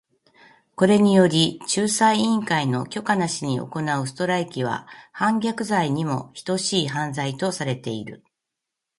これにより、仲裁委員会の許可なしに行うストライキは反逆罪にも等しい犯罪とされている。